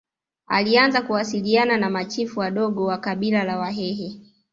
Alianza kuwasiliana na machifu wadogo wa kabila la Wahehe